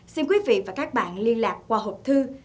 xin quý vị và các bạn liên lạc qua hộp thư